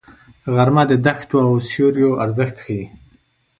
غرمه د دښتو او سیوریو ارزښت ښيي